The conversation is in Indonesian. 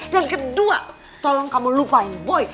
yang kedua tolong kamu lupain boy